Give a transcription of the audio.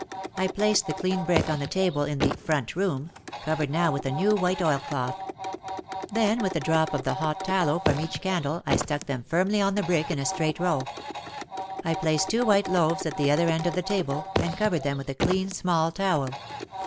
I placed the clean brick on the table in the "front room, ,, covered now with a new white oil cloth. Then with a drop of the hot tallow from each candle I stuck them firmly on the brick in a straight row. I placed two white loaves at the other end of the table and covered them with a clean small towel.